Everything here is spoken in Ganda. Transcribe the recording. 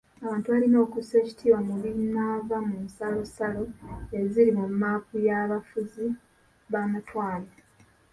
Abantu balina okussa ekitiibwa mu binaava mu nsalosalo eziri mu mmaapu y'abafuzi b'amatwale.